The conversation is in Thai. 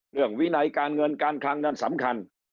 เรื่องวินัยการเงินการค้างนั้นสำคัญ